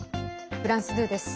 フランス２です。